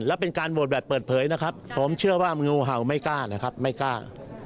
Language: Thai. และเป็นการโหวตแบบเปิดเผยนะครับผมเชื่อว่างูเห่าไม่กล้านะครับไม่กล้า